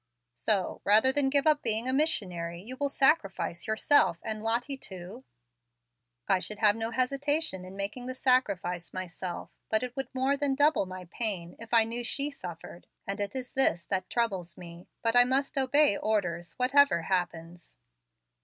So, rather than give up being a missionary, you will sacrifice yourself and Lottie too?" "I should have no hesitation in making the sacrifice myself, but it would more than double my pain if I knew she suffered. And it is this that troubles me. But I must obey my orders, whatever happens."